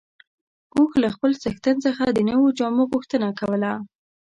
اوښ له خپل څښتن څخه د نويو جامو غوښتنه کوله.